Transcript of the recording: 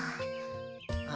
あ。